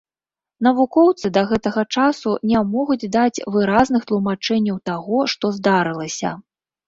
Навукоўцы да гэтага часу не могуць даць выразных тлумачэнняў таго, што здарылася.